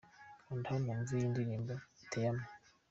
Kanda hano wumve iyi ndirimbo 'Te Amo'.